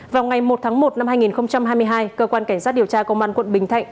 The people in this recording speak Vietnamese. vào ngày một tháng một năm hai nghìn hai mươi hai cơ quan cảnh sát điều tra công an tp hcm